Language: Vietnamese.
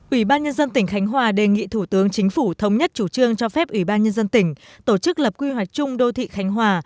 ủy ban nhân dân tỉnh khánh hòa đề nghị thủ tướng chính phủ thống nhất chủ trương cho phép ủy ban nhân dân tỉnh tổ chức lập quy hoạch chung đô thị khánh hòa